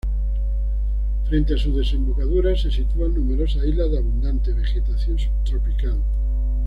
Frente a su desembocadura se sitúan numerosas islas de abundante vegetación subtropical.